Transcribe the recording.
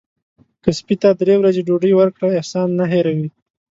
که سپي ته درې ورځې ډوډۍ ورکړه احسان نه هیروي.